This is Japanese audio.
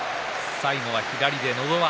最後は左のど輪。